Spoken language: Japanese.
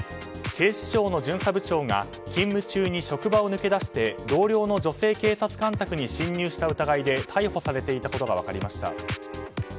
警視庁の巡査部長が勤務中に職場を抜け出して同僚の女性警察官宅に侵入した疑いで逮捕されていたことが分かりました。